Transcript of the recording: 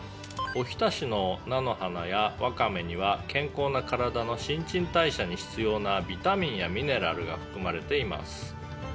「おひたしの菜の花やワカメには健康な体の新陳代謝に必要なビタミンやミネラルが含まれています」